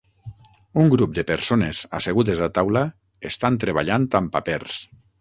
Un grup de persones assegudes a taula estan treballant amb papers.